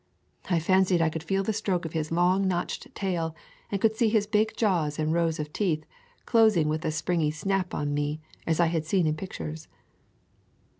I fan cied I could feel the stroke of his long notched tail, and could see his big jaws and rows of teeth, closing with a springy snap on me, as I had seen in pictures.